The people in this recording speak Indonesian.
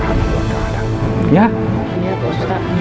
iya pak ustadz